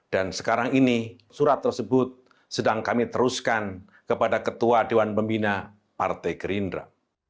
dan sekarang ini surat tersebut sedang kami teruskan kepada ketua dewan pimpinan partai gerindra